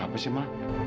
ada apa sih ma